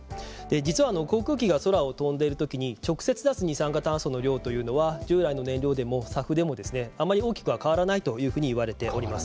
実は航空機が空を飛んでいるときに直接出す二酸化炭素の量というのは従来の燃料でもＳＡＦでもあまり大きくは変わらないというふうに言われております。